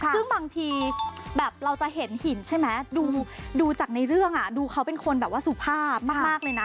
ซึ่งบางทีแบบเราจะเห็นหินใช่ไหมดูจากในเรื่องดูเขาเป็นคนแบบว่าสุภาพมากเลยนะ